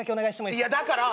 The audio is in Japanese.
いやだから！